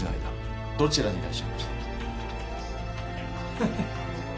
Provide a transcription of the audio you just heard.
ハハッ。